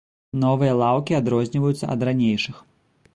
Новыя лаўкі адрозніваюцца ад ранейшых.